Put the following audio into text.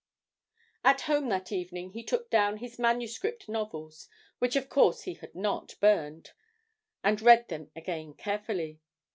At home that evening he took down his manuscript novels (which of course he had not burnt) and read them again carefully.